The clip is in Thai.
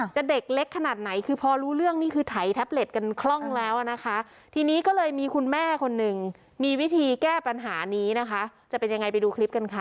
เด็กเล็กขนาดไหนคือพอรู้เรื่องนี่คือไถแท็บเล็ตกันคล่องแล้วนะคะทีนี้ก็เลยมีคุณแม่คนหนึ่งมีวิธีแก้ปัญหานี้นะคะจะเป็นยังไงไปดูคลิปกันค่ะ